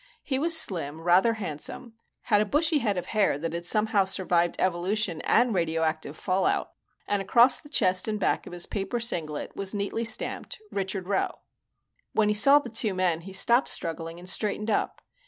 He was slim, rather handsome, had a bushy head of hair that had somehow survived evolution and radioactive fallout, and across the chest and back of his paper singlet was neatly stamped: "RICHARD ROWE." When he saw the two men, he stopped struggling and straightened up.